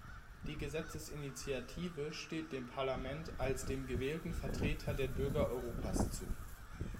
Die Gesetzesinitiative steht dem Parlament als dem gewählten Vertreter der Bürger Europas zu.